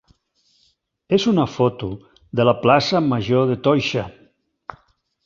és una foto de la plaça major de Toixa.